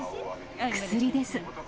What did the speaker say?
薬です。